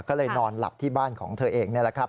ก็เลยนอนหลับที่บ้านของเธอเองนี่แหละครับ